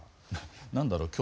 何だろう